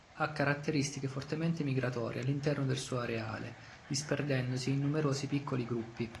Ha caratteristiche fortemente migratorie all'interno del suo areale, disperdendosi in numerosi piccoli gruppi.